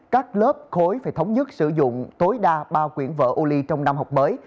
các lớp khối phải thống nhất sử dụng tối đa ba quyển vở ô ly trong năm học mới